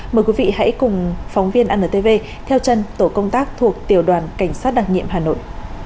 mời quý vị hãy cùng phóng viên antv theo chân tổ công tác thuộc tiểu đoàn cảnh sát đặc nhiệm hà nội